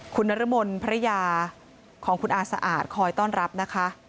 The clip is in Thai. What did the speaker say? คุณนรมนภรรยาของคุณอาสะอาดคอยต้อนรับนะคะ